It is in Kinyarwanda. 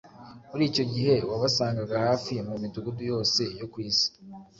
muri icyo gihe wabasangaga hafi mu midugudu yose yo ku isi.